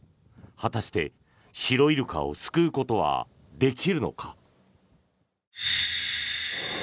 果たして、シロイルカを救うことはできるのか。